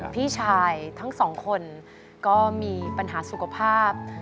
พี่ชายทั้งสองคนก็มีปัญหาสุขภาพ